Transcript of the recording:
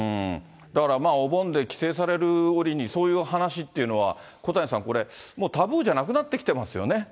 だからお盆で帰省される折にそういう話っていうのは、小谷さん、これ、もうタブーじゃなくなってきてますよね。